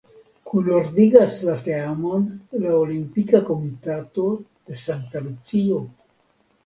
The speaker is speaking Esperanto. Kunordigas la teamon la Olimpika Komitato de Sankta Lucio.